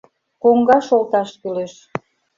Коҥгаш олташ кӱлеш.